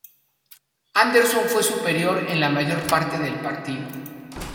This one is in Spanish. Anderson fue superior en la mayor parte del partido.